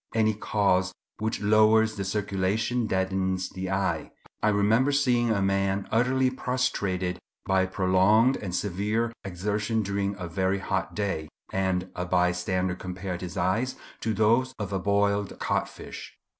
Any cause which lowers the circulation deadens the eye. I remember seeing a man utterly prostrated by prolonged and severe exertion during a very hot day, and a bystander compared his eyes to those of a boiled codfish.